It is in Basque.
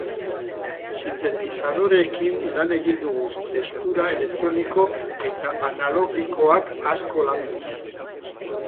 Sintetizadoreekin lan egin dugu, testura elektroniko eta analogikoak asko landuz.